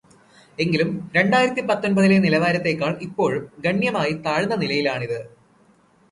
എങ്കിലും രണ്ടായിരത്തി പത്തൊമ്പതിലെ നിലവാരത്തേക്കാൾ ഇപ്പോഴും ഗണ്യമായി താഴ്ന്ന നിലയിലാണിത്.